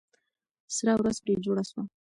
سره ورځ پرې جوړه سوه.